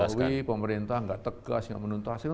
pak jokowi pemerintah gak tegas gak menuntaskan